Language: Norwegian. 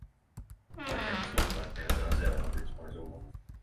Hadde kjempestore forventningar til denne serien då eg begynte på den i sommar.